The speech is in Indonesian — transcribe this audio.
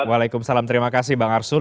waalaikumsalam terima kasih bang arsul